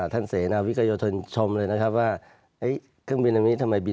แสดงว่าที่มารายการรองกันก็เพิ่งกลับมา